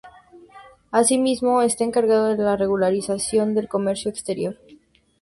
Asimismo, está encargado de la regulación del comercio exterior.